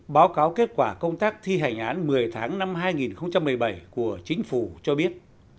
báo cáo kết quả công tác thi hành án một mươi tháng năm hai nghìn một mươi bảy của chính phủ cho biết